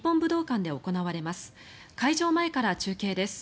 会場前から中継です。